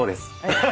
ハハハ。